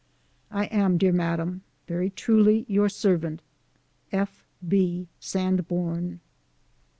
I am, dear Madame, very truly your servant, F. B. SANBORN.